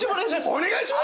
お願いします！